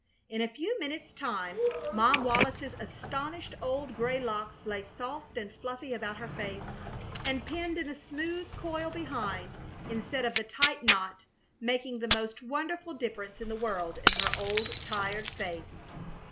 In a few minutes' time Mom Wallis's astonished old gray locks lay soft and fluffy about her face, and pinned in a smooth coil behind, instead of the tight knot, making the most wonderful difference in the world in her old, tired face.